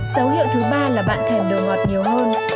dấu hiệu thứ ba là bạn thèm đồ ngọt nhiều hơn